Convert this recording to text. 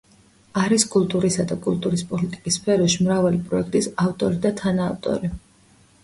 არის კულტურისა და კულტურის პოლიტიკის სფეროში მრავალი პროექტის ავტორი და თანაავტორი.